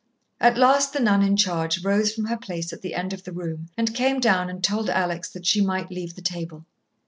At last the nun in charge rose from her place at the end of the room and came down and told Alex that she might leave the table.